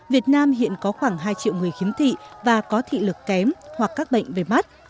việt nam hiện có khoảng hai triệu người khiếm thị và có thị lực kém hoặc các bệnh về mắt